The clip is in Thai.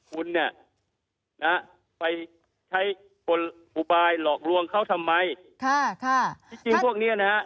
คุณเนี่ยนะฮะไปใช้คนอุบายหลอกลวงเขาทำไมค่ะที่จริงพวกเนี้ยนะฮะ